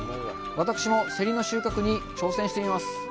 僕も、せりの収穫に挑戦してみます。